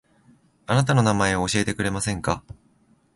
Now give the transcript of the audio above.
あなたの名前を教えてくれませんか